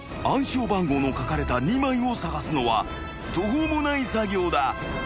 ［暗証番号の書かれた２枚を捜すのは途方もない作業だ］